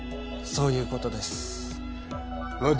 そういうことですまあ